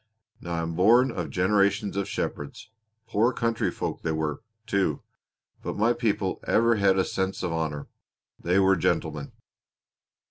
Now I'm born of generations of shepherds poor country folk they were, too; but my people ever had a sense of honor they were gentlemen."